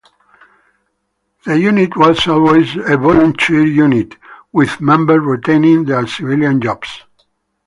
The unit was always a volunteer unit, with members retaining their civilian jobs.